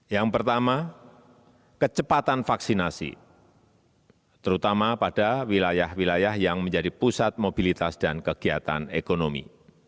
yang pertama kecepatan vaksinasi terutama pada wilayah wilayah yang menjadi pusat mobilitas dan kegiatan ekonomi